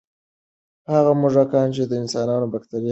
هغه موږکان چې د انسان بکتریاوې لري، نوې زده کړې وکړې.